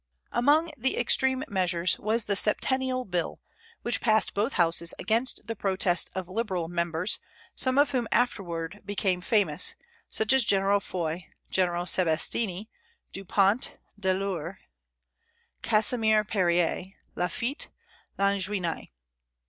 Among the extreme measures was the Septennial Bill, which passed both houses against the protest of liberal members, some of whom afterward became famous, such as General Foy, General Sebastiani, Dupont (de l'Eure), Casimir Périer, Lafitte, Lanjuinais.